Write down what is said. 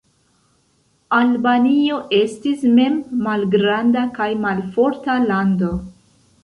Albanio estis mem malgranda kaj malforta lando.